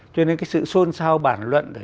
cho nên cái sự xôn xao bản luận